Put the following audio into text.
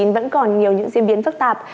vẫn còn nhiều những diễn biến phức tạp